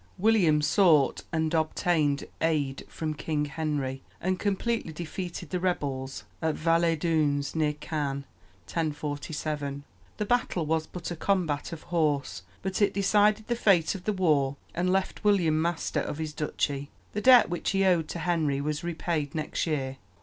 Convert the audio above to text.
William sought and obtained aid from King Henry, and completely defeated the rebels at Val es Dunes near Caen (1047). The battle was but a combat of horse, but it decided the fate of the war and left William master of his duchy. The debt which he owed to Henry was repaid next year.